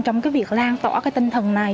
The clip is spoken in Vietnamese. trong việc lan tỏ tinh thần này